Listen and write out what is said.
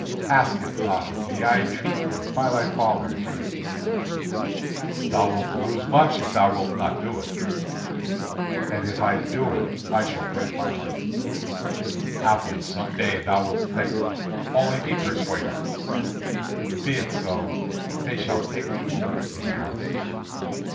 "Ask it not of me, I entreat thee, by thy father Zeus." "Thou wilt lose much if thou wilt not do it." "And if I do it I shall break my heart." "Haply some day thou wilt thank me; only be persuaded." "Be it so; they shall take the woman into the house."